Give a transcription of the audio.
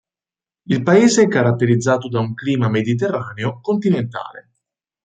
Il paese è caratterizzato da un clima mediterraneo continentale.